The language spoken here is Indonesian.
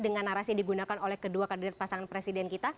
dengan narasi yang digunakan oleh kedua kandidat pasangan presiden kita